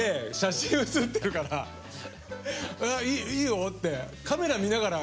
「いいよ」って。